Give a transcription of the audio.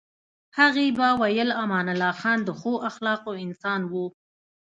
هغې به ویل امان الله خان د ښو اخلاقو انسان و.